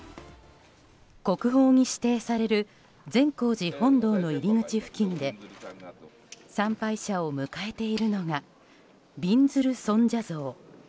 国宝に指定される善光寺本堂の入り口付近で参拝者を迎えているのがびんずる尊者像。